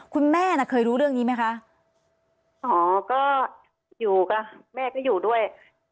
คุณแม่น่ะเคยรู้เรื่องนี้ไหมคะอ๋อก็อยู่กับแม่ก็อยู่ด้วย